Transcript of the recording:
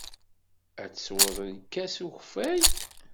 Ad tesweḍ lkas n ukeffay?